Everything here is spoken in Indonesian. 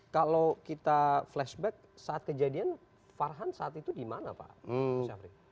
kalau kita flashback saat kejadian farhan saat itu di mana pak syafri